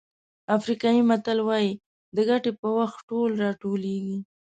افریقایي متل وایي د ګټې په وخت ټول راټولېږي.